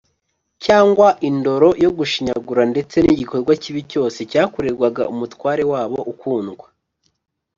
cyangwa indoro yo gushinyagura ndetse n’igikorwa kibi cyose cyakorerwaga umutware wabo ukundwa